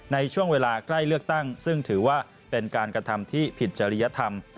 ในช่วงเวลาใกล้เลือกตั้งซึ่งถือว่าเป็นการกระทำที่ผิดจริยธรรม